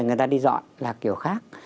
người ta đi dọn là kiểu khác